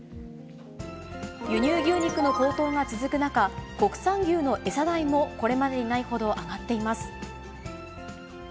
輸入牛肉の高騰が続く中、国産牛の餌代もこれまでにないほど上がっています。